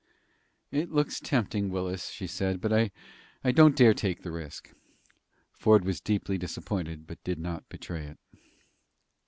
"It looks tempting, Willis," she said, "but I don't dare to take the risk." Ford was deeply disappointed, but did not betray it.